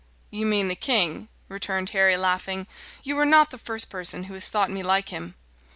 "You mean the king," returned Harry, laughing. "You are not the first person who has thought me like him."